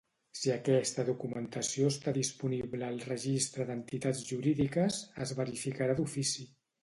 Si aquesta documentació està disponible al Registre d'Entitats Jurídiques, es verificarà d'ofici.